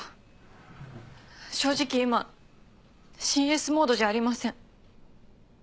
正直今シン・エースモードじゃありません。